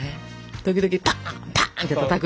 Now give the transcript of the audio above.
時々「パン！パン！」ってたたく？